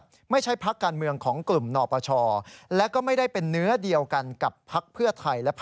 กรณีนี้ทางด้านของประธานกรกฎาได้ออกมาพูดแล้ว